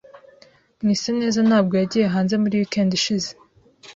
Mwiseneza ntabwo yagiye hanze muri weekend ishize.